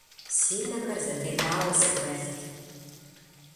Си нэхэр зэтепӀауэ сыхэлът.